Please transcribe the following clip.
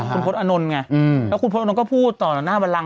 คุณพศอนนท์ไงแล้วคุณพศอนนท์ก็พูดต่อหน้าบะรัง